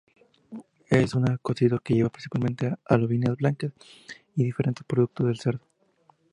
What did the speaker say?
Es un cocido que lleva principalmente alubias blancas y diferentes productos del cerdo.